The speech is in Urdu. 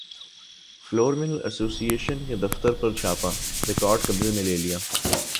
فلور ملز ایسوسی ایشن کے دفترپر چھاپہ ریکارڈ قبضہ میں لے لیا